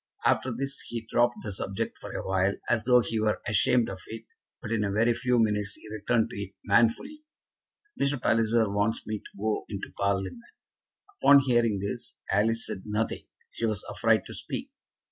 After this he dropped the subject for a while, as though he were ashamed of it, but in a very few minutes he returned to it manfully. "Mr. Palliser wants me to go into Parliament." Upon hearing this Alice said nothing. She was afraid to speak.